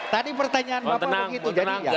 tadi pertanyaan bapak begitu